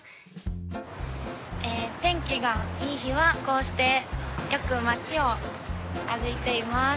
天気がいい日はこうしてよく街を歩いています。